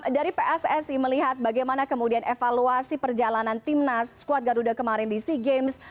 dari pssi melihat bagaimana kemudian evaluasi perjalanan timnas squad garuda kemarin di sea games